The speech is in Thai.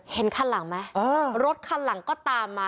เห็นข้างหลังมั้ยรถข้างหลังก็ตามมา